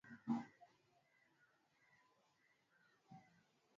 wana jukumu la kukaa chini kubaini sheria hizi kushirikisha wadau na kuzifanyia marekebisho ya